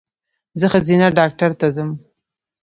زه ښځېنه ډاکټر ته ځم